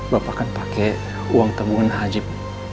bapak kan pake uang temuan hajib